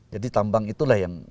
jadi tambang itulah yang